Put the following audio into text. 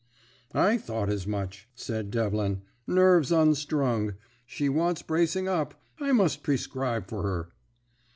"'I thought as much,' said Devlin. 'Nerves unstrung. She wants bracing up. I must prescribe for her.'